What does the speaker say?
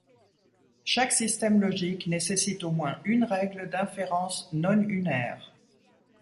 Chaque système logique nécessite au moins une règle d'inférence non-unaire.